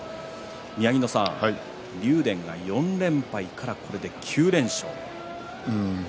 宮城野さん、竜電が４連敗から９連勝です。